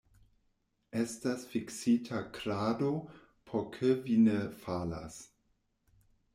Estas fiksita krado, por ke vi ne falas!